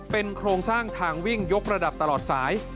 เป็นโครงสร้างทางวิ่งยกระดับตลอดสาย